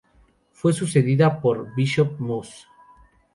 Fue sucedida por "Bishop Mus.